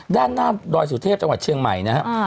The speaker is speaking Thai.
ด้านหน้าดอยสุเทพจังหวัดเชียงใหม่นะครับ